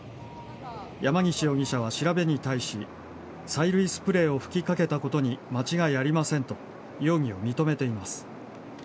山岸容疑者は調べに対し催涙スプレーを吹きかけたことに間違いありませんと容疑を認めています。